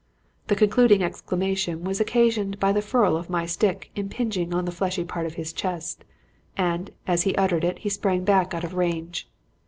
The concluding exclamation was occasioned by the ferrule of my stick impinging on the fleshy part of his chest, and as he uttered it he sprang back out of range.